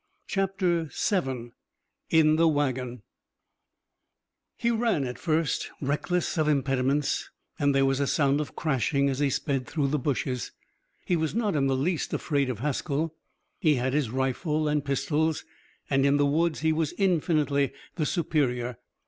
CHAPTER VII IN THE WAGON He ran at first, reckless of impediments, and there was a sound of crashing as he sped through the bushes. He was not in the least afraid of Haskell. He had his rifle and pistols and in the woods he was infinitely the superior.